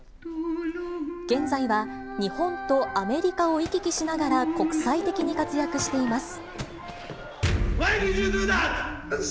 現在は日本とアメリカを行き来しながら、国際的に活躍しています。